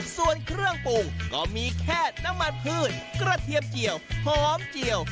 ส่วนเครื่องปรุงก็มีแค่น้ำมันพืชกระเทียมเจียวหอมเจียว